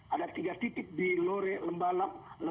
ada tiga titik di lore lemba napu